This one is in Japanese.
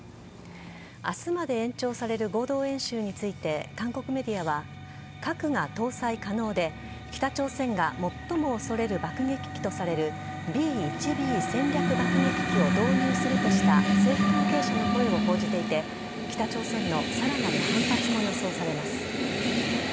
明日まで延長される合同演習について韓国メディアは核が搭載可能で北朝鮮が最も恐れる爆撃機とされるＢ‐１Ｂ戦略爆撃機を導入するとした政府関係者の声を報じていて北朝鮮のさらなる反発も予想されます。